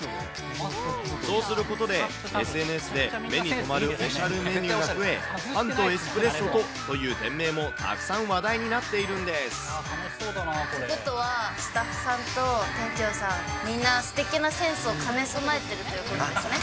そうすることで、ＳＮＳで目に留まるおしゃれメニューが増え、パンとエスプレッソとという店名もたくさん話題になっているんでということは、スタッフさんと店長さん、みんなすてきなセンスを兼ね備えてるってことなんですね。